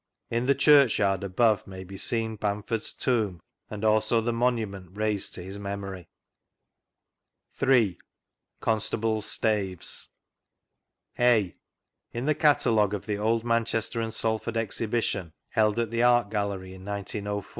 In the Chuichyard above may be seen Bamford's tomb and also the monument raised to his memory. 3._C0NSTABLES' STAVES. {a) In the Catalogue of the Old Manchester &• Salford Exhibition (held at the Art GaUery in 1904), on p.